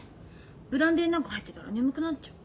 ブランデーなんか入ってたら眠くなっちゃう。